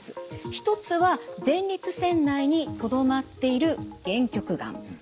１つは前立腺内にとどまっている限局がん。